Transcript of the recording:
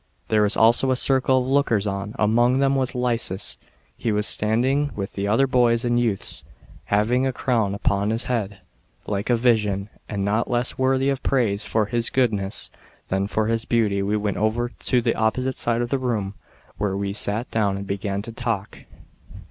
There was also a circle of lookers on : among them was Lysis. He was standing with the other boys and youths, having a crown upon his head, like a vision, and not less worthy of praise for his goodness than for his beauty. We went over to tlie opposite side of the room, where we sat down and began to talk.